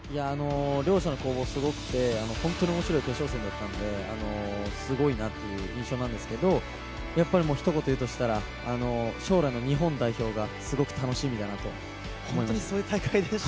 両者の攻防がすごくて本当に面白い決勝戦だったので、すごいなっていう印象なんですけど、ひと言いうとしたら、将来の日本代表がすごく楽しみだなと思いました。